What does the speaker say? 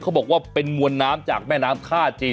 เขาบอกว่าเป็นมวลน้ำจากแม่น้ำท่าจีน